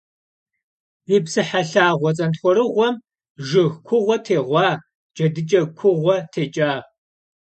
Ди псыхьэ лъагъуэ цӏэнтхъуэрыгъуэм жыг кугъуэ тегъуа, джэдыкӏэ кугъуэ текӏа.